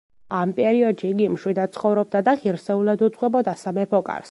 ამ პერიოდში იგი მშვიდად ცხოვრობდა და ღირსეულად უძღვებოდა სამეფო კარს.